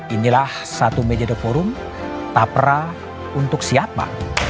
inilah satu meja forum tapra untuk siapa